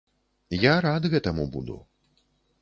Я рад гэтаму буду.